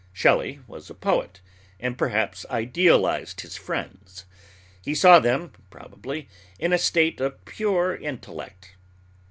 Shelley was a poet, and perhaps idealized his friends. He saw them, probably, in a state of pure intellect.